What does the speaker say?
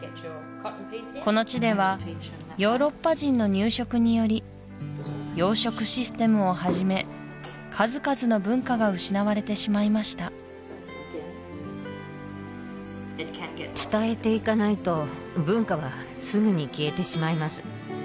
この地ではヨーロッパ人の入植により養殖システムをはじめ数々の文化が失われてしまいました伝えていかないと文化はすぐに消えてしまいます